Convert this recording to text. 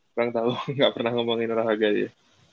kurang tahu nggak pernah ngomongin olahraga aja